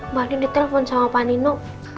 mbak ditelepon sama pak nino